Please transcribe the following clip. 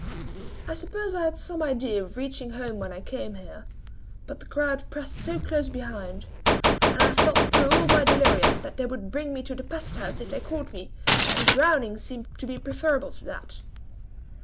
I suppose I had some idea of reaching home when I came here; but the crowd pressed so close behind, and I felt though all my delirium, that they would bring me to the pest house if they caught me, and drowning seemed to me preferable to that.